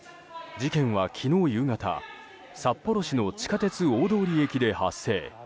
事件は昨日夕方札幌市の地下鉄大通駅で発生。